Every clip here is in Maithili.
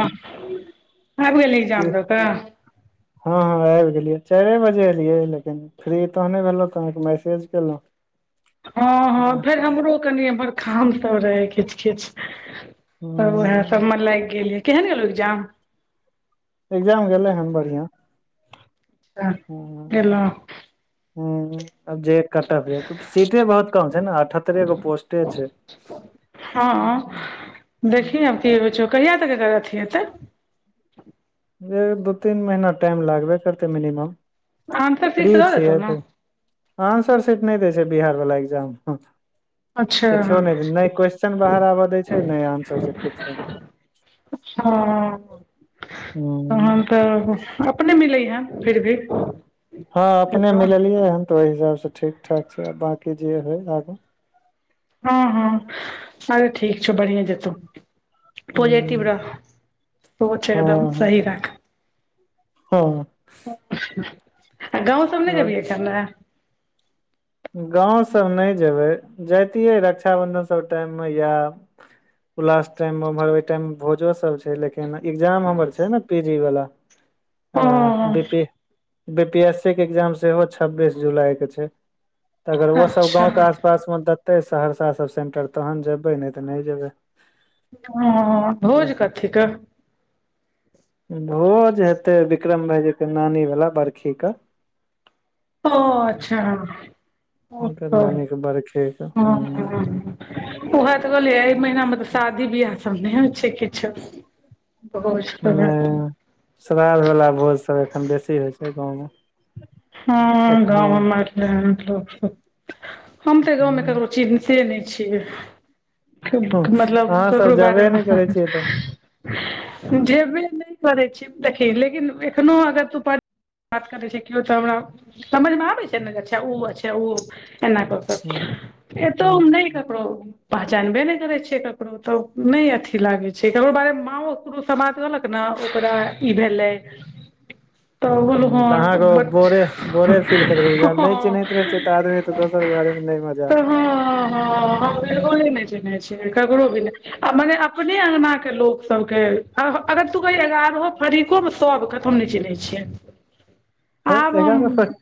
आबि की गेलैजाम लऽ तऽ हँ हँ आबि गेलियै चारे बजे एलियै लेकिन फ्री तहने भेलहुँ तऽ अहाँके मैसेज केलहुँ हँ हँ हूँ फेर हमरो कनि एमहर खाम सब रहे किछ किछ ह उएह सबमें लाग गेल यै केहन गेलो एग्जाम एग्जाम गेलै हन बढ़िआं ह गेलहुँ हूँ आ जे कत भेल सीटे बहुत कम छै ने अठहत्तरेगो पोस्टे छै हँ देखि न आब की छौ कहिया तक एकर अथि हते दू तीन महीना टाइम लागबे करते मिनिमम आंसर शीट प्री तऽ दऽ देतौ छिय ने आंसर सीट नहि दै छै बिहार वला एग्जाम अच्छा किछो नहि नहि क्वेेश्चन बाहर आबऽ दै छै नहि आंसर किछो हूँ हँ त त अपने मिलै य फिर भी हँ अपने एतऽ मिललियै हन तऽ ओहि हिसाब से ठीक ठाक छै बकी जे हय आगू हँ हँ अरे ठीक छौ बढ़िए जेतौ पॉजिटिव हूँ रह सोच एकदम हँ सही राख हँ आ गाँव सब ने आओर जबि [unintelligible] खा गाँवसभ नहि जेयबै जाइतियै रक्षाबन्धन सभ टाइम मे या उ लास टाइम मे उम्हर ओहि टाइम मे भोजो सब छै लेकिन एग्जाम हमर छै ने पी जी वला ओ B P B P S C के एग्जाम सेहो छब्बीस जुलाई क छै तऽ अगर ओ सब अच्छा गाँंवके आसपास मे देतै सहरसा सब सेंटर तहन जेबै नहि तऽ नहि जेबै ह भोज कथीके भोज हेतै बिक्रम भाईजी के नानी वला बरखी के ओ अच्छा ओ हुनकर त नानी के बरखे के हुं उएह तऽ कहियै एहि महीनामे तऽ शादी बियाह सब नहि होइ छै किछो ह श्रध वला भोज सब एखन बेसी होइ छै गाँवमे हँ गाँव हम तऽ गाँवमे ककरो हुं चीन से नहि छियै मतलब अहाँ सब ककरो जेबे नै बारेमे करै छियै तऽ जेबे नहि करै छी देखही लेकिन एखनो अगर तू बात करै छै किओ तऽ हमरा समझ में आबै छै ने जे अच्छा ओ अच्छा ओ एना हुं कर एतो हुं हम ने ककरो पहचानबे नहि करै छिय ककरो तऽ नहि अथी लागे छै ककरो बारे मे माँ ओ समाद कहलक ने ओकरा ई भेलै तऽ ओ हुं तऽ अहाँके हन बोरे बोरे फील करैत हेबै जहन नै ह चिन्हैत रहै छै तऽ आदमी तऽ दोसर के बारे मे नै मजा तऽ ह हँ ह बगोले नहि चिहने छियै ककरो भी नहि आ मग अपने अंगना के लोक सबके हम अगर तू कह ग्यारहो फरीको में सब के तऽ हम ने चिनहे छिए हेय ग्यारह तक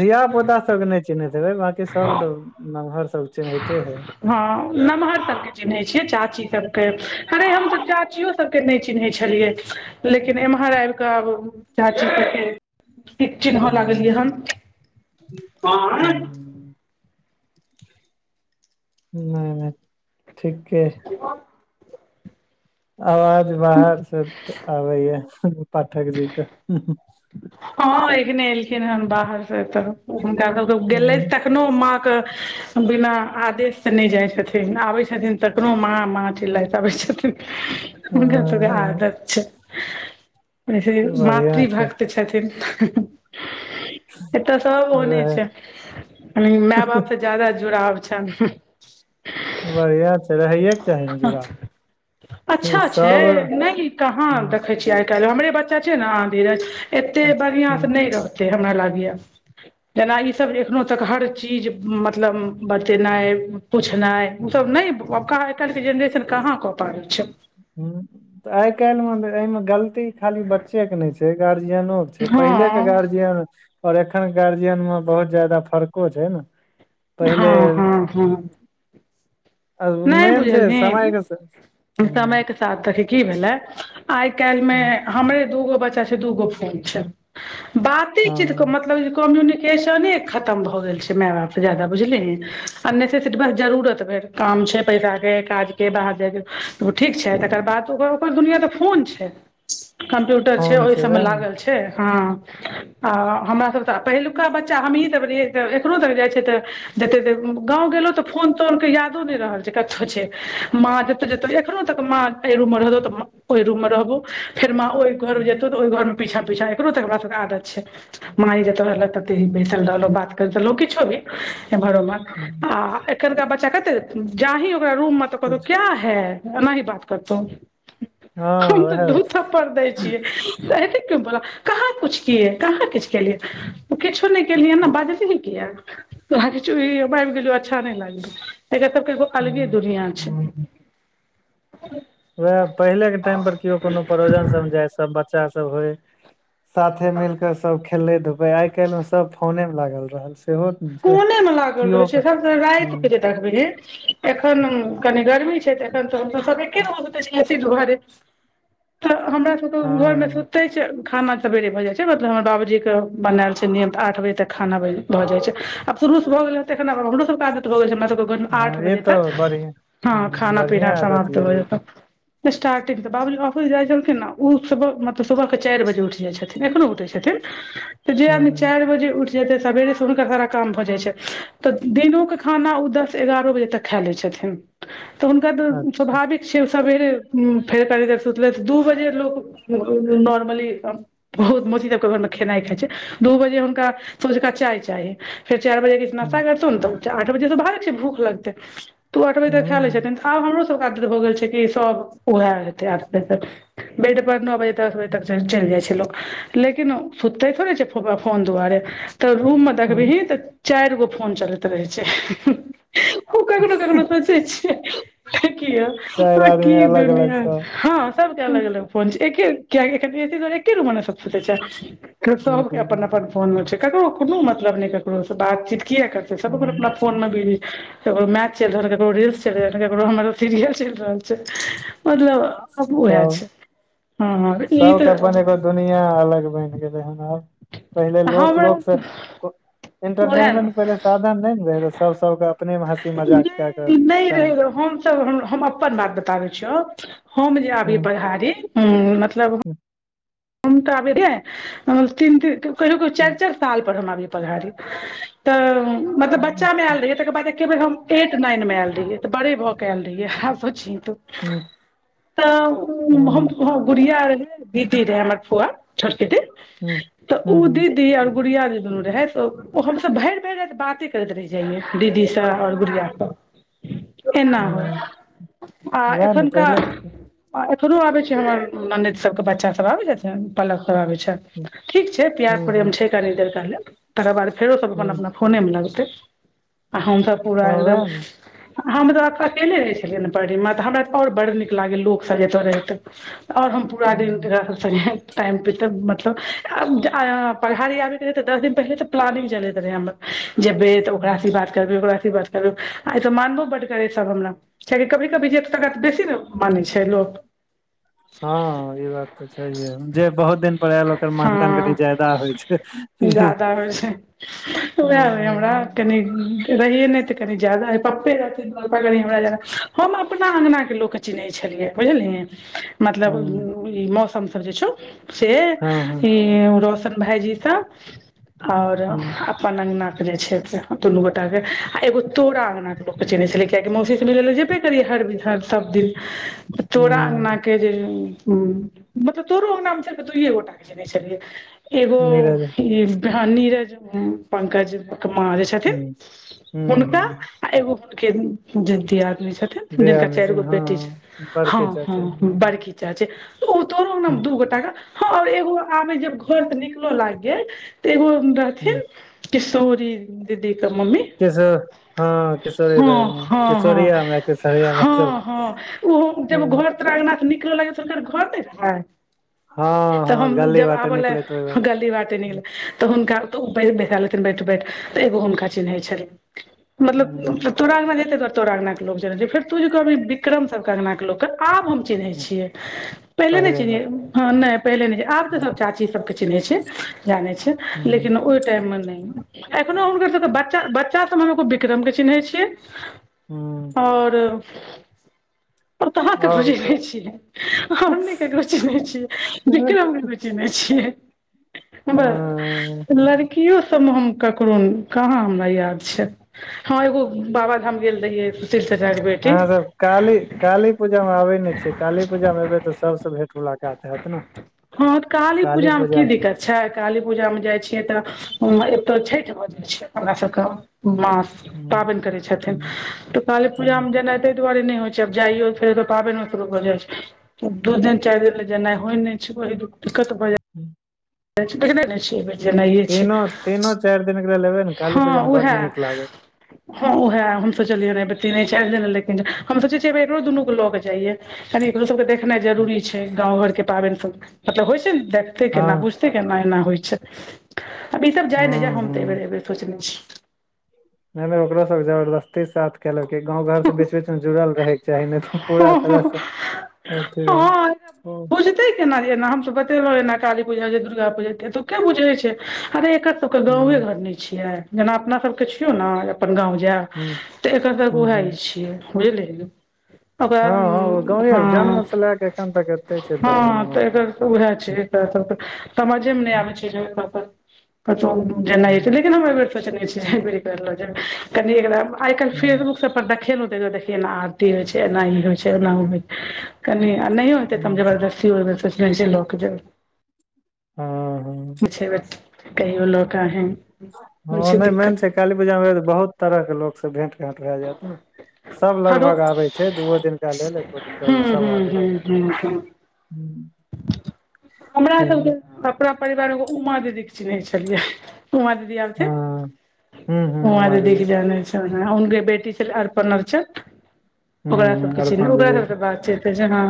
धिय पुता सबके नहि चिन्हैते रहै बकी सभ त नमहर सब चिन्हैते है हँ नमहर सबके चिन्है छियै चाची सबके अरे हमस चाचियो सब के नहि चिन्है छलियै लेकिन एम्हर आब कऽ आब चाची के फेर ठ चिन्ह लागलियै हुं हन [unintelligible] कोन ह ठीके [inaudible] आवाज बाहर से आबैय या ह पाठक जी के हँ एखने एलखिन हेन बाहर से तऽ हुनका सबके गेले त एखनो माँ के बिना आदेश से नहि जाई छथिन आबै छथिन तऽ कनो माँ माछ लैत अबै छथिन हुनकर सब के हँ आदत छै बढ़िया छै मातृभक्त छथिन एतऽ सभ होने रह छै माय बाप तऽ जादा जुड़ाव छन बढ़िआ छै रहै अच्छा छै सब नइ कहाँ हूं देखै छियै काइल हमरे बच्चा छै ने धीरज एते बढ़ियाँ से हूं नहि रहतै हमरा लागय जेना ई सभ एखनोह तक हर चीज मतलब बचेनाई पुछनाइ उसब नहि आइ काल्हि के जेनरेशन कहाँ कऽ पाब छै ह त आइ काल्हि मे एहिमे गलती खाली बच्चे के नहि छै गार्जियनो के पहिलेके हँ गार्जियन आओर एखन गार्जियन मे बहुत जादा फर्को छै ने पहिले हाँ हाँ हाँ मेन छै बुझलही समयके ह त त की भेले आइ काल्हि मे हमरे दूगो बच्चा छै दूगो फोल छै बाते चीत ओक हँ मतलब कम्युनिकेशने खतम भऽ गेल छै माय बाप के ज्यादा बुझलीए ने सामने सँ से बस जरूरत भर काम छै पैसा के काज के बाहर जाय के ओ ठीक छै तकर बाद ओ ओकर दुनिआँ तऽ फोन छै कम्प्यूटर छै फोन ओहि सबमे वएह ने लागल छै हँ आ हमर सब तऽ पहिलुका बच्चा हम हीँ सभ रहियै तऽ एखन तक जाई छै तऽ जते गाँंव गेलो तऽ फोन तोल के याद न रहल छै क छै माँ जतत एखनो तक माँ रहतौ त ओहि रूम में रहबो फेर माँ ओहि घर जेतौ तऽ ओहि घर में पीछा पीछा एकरो तक हमरा सब के आदत छै माँये जते रहलो भेजलक तते ही बैसल रहलो बात कर रहलो किछो भी ऐम्हर ओम्हर हं आ एखनका बच्चा कते जाही ओकरा रूम में तऽ कहतहु किछ क्या है ओ एनाही बात करतौ हँ हम तऽ उएह दु थप्पड़ दै छियै एत क्यूबोला कहाँ कुछ कए कहाँ किछ केलिय ओ किछो नहि केलिय ने बाजै किया त आबि गेलिय अच्छा नहि लागल एक त केो अलवी ह दुनिया छै उएह पहिले के टाइम पर किओ कोनो प्रोजन सब में जाय सब बच्चा सब होय साथे मिल के सब खेले धूपे आई काल्हि में सब फोने में लागल रहल छै सेहो न कोने में लागल केओ रहैत छै ह सब सँ राति हँ के जे देखबैहिन एखन कनी गर्मी छै तऽ एखन तऽ सब एके घरे तऽ हमरा सबके घरमे हँ सुते छै खाना सबेरे भए जाय छै मतलब हमर बाबू जी के बनायल छै नियम त‌ आठ बजे तक खाना भए जाय छै आब शुरूसँ भऽ गेल ह त हमरो सब काज रोज हमरा सब के हमरा सब के घर आठ ई बजे तऽ तक बढ़िया हँ ह खाना पीना बढ़िया आदत समाप्त य भऽ ई जेतौ स्टारटिंग तऽ बाबूजी ऑस जाइ छलखिन ने ओ सुब मतलब सुबह के चारिजे उठ जे छथिन एखनो उठै छथिन तऽ जे ह आदमी ह चारि बजे उठ जेतै सबेरे के हुनकर घर आंगन काम भऽ जाई छै तऽ दिनो के खाना ओ दस ग्यारह बजे तक खा लै छथिन तऽ हुनका तऽ अच्छा स्वाभाविक छै सवेरे फेर कनी देर सुतलैथ तऽ दू बजे लोक हां नॉर्मली एकम बहुत पुछहि खेनाइ खाय छै दू बजे हुनका संझुका चाय चाही फेर चारि बजे के नाश्ता ह करतौ ने तऽ आठ बजे से भूख लगते तू आठ बजे तक खा लै ह छथिन तऽ आब हमरो सबके आदत भ गेल छै कि सब उएह हेतै आसे बेड़ पर नौ बजे दस बजे तक चलि जाइ छै लोग लेकिन सुते थोड़े छै फोन दुआरे त रूम मे ह देखबिही त चाइर गो फोन चलैत रहे छै ओ कखनोकखनो सोचै छिय किया चारि की आदमी अलग अलग दुनियाँ स छे सब के अलग अलग फोन छै एखन एके रूम सब रुम में सब सुतय छै सब अपन ह अपन फोन में छै ककरो कोनो मतलब नहि ककरो से बात चीत किया करतै सब लोग अपना ह फोन में बिजी छै ककरो मैच चलि रहल ककरो रील्स चलि रहल ककरो हमर सीरियल चलि रहल छै मतलब आब ओहा छै हँ ई सब के तऽ अपन एगो दुनिआ अलग बनि गेल हेन आब पहिले लोक हमरा लोक से उएह इंटरटेनमेंट पहिले साधन नहि ने रहे रह सब सबके अपने मे हँसी मजाक कए कऽ नहि नहि टाइम रहै हमसभ हम अपन बात बताबै छियौ हम जे अभी परहारी हु मतलब ह हम तऽ आबेै तीन ती कहियो कहियो हूँ चारि चारि साल पर हम अबिय पढ़ारी तऽ मतलब हूँ बच्चा मे अच्छा आयल रहहियै तकर बाद एके बेर हम एट नाइन मे आयल रहियै तऽ बड़े भऽ के आयल रहिय हँ सोचि तू हूँ तऽ हम हूँ गुुरिया रहै ी रहे हमर फुआ छोट पटी हूँ तऽ हूँ ओ हूँ दीदी और गुड़िया जे दुनू रहे त ओ हमसभ भरि भरि राति बाते करैत रह रहि जाइयै दीदीसँ आऔर गुड़िया सब एना हो हूँ आ वएह ने एखनका पहिले के आ एखरो आबे छै हमर ननित सबके बच्चा सब आबे छथि पलक सब आबै छथि हूँ ठीक छै प्यार हूँ प्रेम हूँ छै कनि देर रहले तकर बाद फेरो सब अपन हूँ अपना होने में लगतै आ हमसभ पूरा हँ एकदम वएह ने हम तऽ अकेले रहै छलियै ने पढ़यमे तऽ हमरा तऽ आओर बड नीक लागल लोकसभ जतहु रहै और हम पूरा दिन हूँ सब संगे टाइम पर तऽ मतलब पघाड़ी आदमी के रहै तऽ दस दिन पहिले तऽ प्लानिंग चलैत रहै हम जेबै तऽ ओकराँ हूँ बात करबै ओकराँ बात करबै आ तऽ मानबो बड करे सब हमरा कियकि कभी कभी जे ए तऽ बेसी ने मानै छै लोक हँ ई बात तऽ छैहे जे बहुत दिन प्रयाय लोग कऽ कनी मान दान कनि हँ ज्यादा होइ छै उएहय हमरा हूँ कनि रहिय नहि तऽ कनी जादा ह पप्पे रहथि हमरा जादा हम अपना अंगना के ल चिन्है छलियै बुझलियै मतलब हूँ ई मौसम सब जे छौ से हँ ई हँ रौशन भाय जी सँ और हूँ अपन अंगना के जे छै से दुनू गोटा के एगो तोरा अंगगना के लो के चेने छले कियाकि मौसी से मिले जेबे करियै हर बिज सब दिन तोरा हूँ अङगना के जे ह मतलब तोरो अङगना मे दुए गोटा जनै छलियै एगो नीरज ई नीरज पंकज म जे ह छथिन ह हुनका आ एगो हु के जदी आदमी छथि जिनका दयान चार छै गो हँ बेटी छै हँ बड़के हँ चाचे ह बड़की त ओ तोर दू गोटा हँ एगो आबे जब घर त निकल लाग गेल त एगो ह रहथिन किशोरी दीदी क मम्मी किशो हँ किशोरी हँ हँ हँ किशोरियामे किशोरीयामे ओ जब घर तर अंगगना से निकल लग घर नहि खाय हँ तब हम गली जब बाटे आबल ले निकलैत ओहि बाटे गल्ली बाटे निकले त हुनका ओ पहले दिखा लेते न बैठ बैठ त एगो हुनका चिन्है छलै मतलब ह तोराङंगगना जेते घ तोराङंगगना के लो चले छै फेरूु कर विक्रम सबके अङंगगना के लग त आब हम चिन्है छियै पहिने नहि पहिले मे चिन्हे ह ना पहिले नहि छै आब तऽ सभ चाची सभके चिन्है छै जानै छै ह लेकिन ओहि टाइम मे नहि एखनो हुनकर सभके बच्चा बच्चा सभ हम एो विक्रम के चिन्है छियै हूँ और पत के आओर ह बुझेने छियै हम कुने छियै बिक्रम ने बुझेने छ छिये ह ना लड़कियो सबमे हम ककरो कहाँ हमरा याद छै हँ एगो बाबाधाम गेल रहियै बै हँ रो काली काली पूजा मे आबे ने छियै काली पूजा मे एबै त सबसँ भेट मुलाकात हत न हँं काली पूजा मे की दिक्कत अच्छा काली पूजामे जाइ छियै तऽ एत छठि भ जाइ छै हमरा सबके मास ह पाबेन करै छथिन त काली पूजा में ह जेना ताहि दुआरे नइ होइ छैब जाइयो फेर पाबनि मे शुरू होऽ जाइ छै दू दिन चारि दिन ल जेनाइ होइ नहि को दिक्कत बाज [unintelligible] हू ने ने छ जेनाइ अछि तीनो तीनो चारि दिन के लेल लेबै ने काली हँ पूजा मे बड उएह नीक लागत हँ उऊह हम सोचलियै रह तीने चाइर दिन लेकिन हम सोचे छियै एको दुनू के लऽ क के जाइयए कनि एकरो सबके देखनाइ जरूरी छै गाँव घर के पाबनि सब मतलब होइ छै ने देखते केना हँ बुझते केना एना होइ छै आब ई सब जाय ने जा हूं हम तऽ एहिर हूं एहि बेर सोचने छी नहि नहि ओकरो सब जबरदस्ती साथ केलक गाँव घर से बेच बेचमे जुड़ल रहयके चाही नइ त ओ हँ हूं ब ते केना एना हमस बतेलहुँ एना काली पूजा दुर्गा पूजा तऽ के बुझै छै अरे एक सबके गाँवे हूं घर नहि छियै जेना अपना सबके छियौ ने अपन गाँव जायब हूं तऽ एकर त उएह हूं छियै बुझले ओकरा हँ हँ ओ गाँवे हँ जन्म से लए के एखन तक एते छै कोनो हँ हूँ तऽ एकर उएह छै त सब समझेमे नइ हूँ आबै छै जे प जेनाइ छै लेकिन हम बेर सोचने छी करलो कनी एक आइ काल्हि हूँ फेसबुक सब पर देखे ल देखयन त देख एना आरती होइ छै एना ई होइ छै एना हो कनि नइ होतै त जबरदस्ती [unintelligible] हो लोक ज हँ ह छ [unintelligible] कहियो लोक है हँ नै मेन छै काली पूजा मे बहुत तरह के लोक से भेंट घट भय जायत ने सब हरो लगभग आबे छै द दुओ दिन केा लेल एको दिन केा हूँ सब हूँ आ हूँ हूँ हूँ हू [inaudible] हमरा सबके अपना परिवार एगो उमा ददीक चिन्है छलियै उमा दीदी आबथि हँ हूँ हूँ उमा दीदी उमादेवी क जन छै हुनके बेटी छल अर्पण अर्चन हूँ ओकरा हूँ सबके चिन अरिपन ओकरा देवी सबके बातचत जेना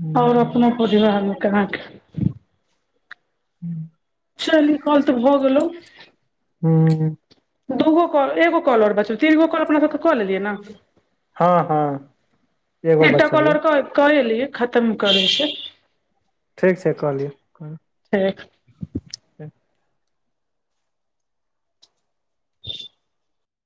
हूँ ओर हूँ अपनो परिवार मे केनाक हूँ चली कल त भ गेलो हूँ दूगो कल एगो कॉलर ब तीन गो कॉल अपना साथ क लेलियै ने हँ हँ एगो एकटा बचल या कलर करलिय खतम करै छै ठीक छै क लियो ठीक ठ [inaudible]